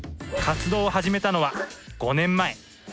活動を始めたのは５年前。